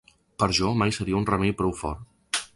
Per jo mai seria un remei prou fort.